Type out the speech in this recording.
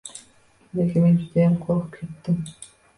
Lekin men judayam qo`rqib ketgandim